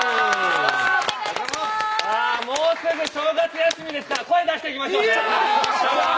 もうすぐ正月休みですから声出していきましょう！